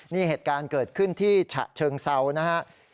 นี่เหตุการณ์เกิดขึ้นที่ฉะเชิงเซานะครับ